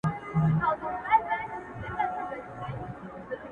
• پر ساحل باندي ولاړ یمه زنګېږم,